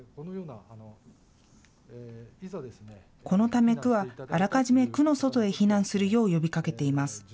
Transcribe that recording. このため区はあらかじめ区の外へ避難するよう呼びかけています。